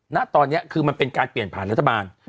ณตอนนี้คือมันเป็นการเปลี่ยนผ่านรัฐบาล